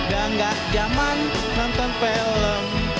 dan gak jaman nonton film